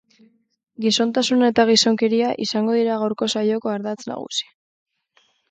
Gizontasuna eta gizonkeria izango dira gaurko saioko ardatz nagusi.